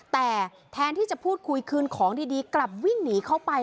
แต่แทนที่จะพูดคุยคืนของดีกลับวิ่งหนีเข้าไป